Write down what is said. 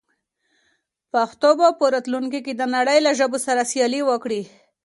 پښتو به په راتلونکي کې د نړۍ له ژبو سره سیالي وکړي.